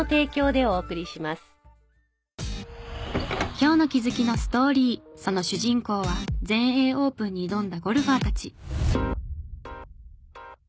今日の気づきのストーリーその主人公は全英オープンに挑んだゴルファーたち。